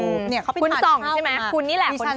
คุณส่องใช่ไหมคุณนี่แหละ